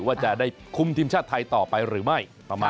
ว่าจะได้คุมทีมชาติไทยต่อไปหรือไม่